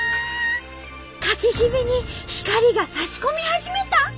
かきひびに光がさし込み始めた。